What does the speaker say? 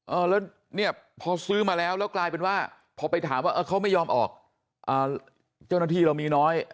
เออแล้วเนี่ยพอซื้อมาแล้วแล้วกลายเป็นว่าพอไปถามว่าเออเขาไม่ยอมออกอ่าเจ้าหน้าที่เรามีน้อย